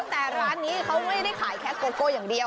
แต่ร้านนี้เขาไม่ได้ขายแค่โกโก้อย่างเดียว